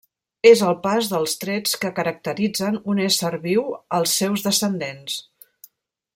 És el pas dels trets que caracteritzen un ésser viu als seus descendents.